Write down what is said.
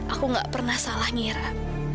aku nggak pernah salah ngira